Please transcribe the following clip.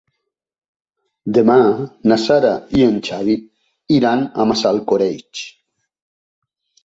Demà na Sara i en Xavi iran a Massalcoreig.